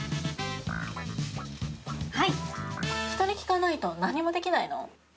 人に聞かないと何にもできないの？